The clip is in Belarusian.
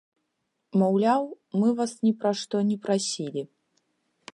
Маўляў, мы вас ні пра што не прасілі.